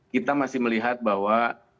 kita masih melihat bahwa